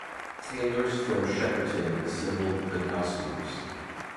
Tailors from Shepperton assembled the costumes.